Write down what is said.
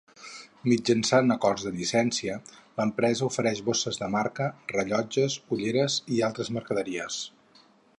Mitjançant acords de llicència, l'empresa ofereix bosses de marca, rellotges, ulleres i altres mercaderies.